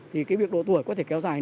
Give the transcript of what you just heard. thì cái việc độ tuổi có thể kéo dài